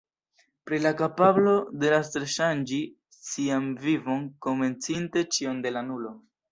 Pri la kapablo draste ŝanĝi sian vivon, komencinte ĉion de la nulo.